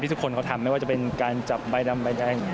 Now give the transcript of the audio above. ที่ทุกคนเขาทำไม่ว่าจะเป็นการจับใบดำใบแดง